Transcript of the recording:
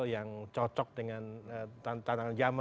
yang cocok dengan tantangan zaman